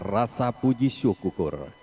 rasa puji syukur